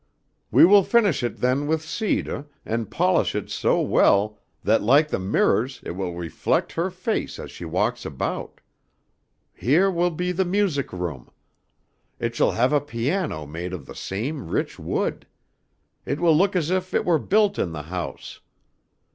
"We will finish it, then, with cedah and polish it so well that laik the mirrors it will reflect her face as she walks about. Heah will be the music room. It shall have a piano made of the same rich wood. It will look as if it were built in the house.